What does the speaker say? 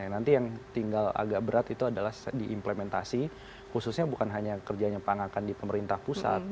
nanti yang tinggal agak berat itu adalah diimplementasi khususnya bukan hanya kerjanya pan akan di pemerintah pusat